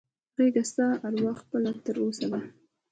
غږېږه ستا اروا خپله تر اوسه ده